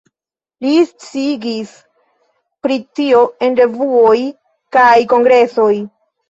Li sciigis pri tio en revuoj kaj kongresoj.